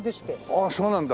ああそうなんだ。